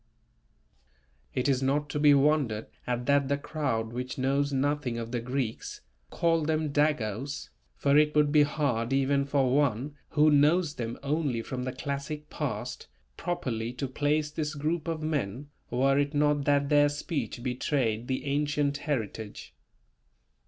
It is not to be wondered at that the crowd which knows nothing of the Greeks, called them "Dagos," for it would be hard even for one who knows them only from the classic past, properly to place this group of men, were it not that their speech betrayed the ancient heritage.